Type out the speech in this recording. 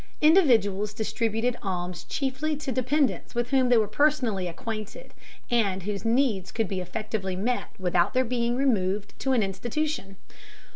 Individuals distributed alms chiefly to dependents with whom they were personally acquainted, and whose needs could be effectively met without their being removed to an institution.